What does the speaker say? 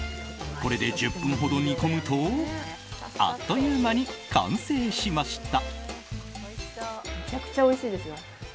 これで１０分ほど煮込むとあっという間に完成しました。